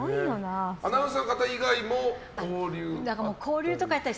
アナウンサーの方以外も交流があったり？